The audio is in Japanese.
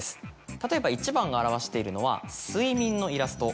例えば１番が表しているのは「すいみん」のイラスト。